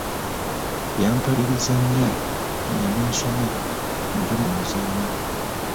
Yampaliriza nnyo ng'ende nsome, nve mumuzannyo.